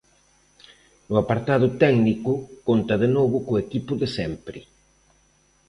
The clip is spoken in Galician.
No apartado técnico conta de novo co equipo de sempre.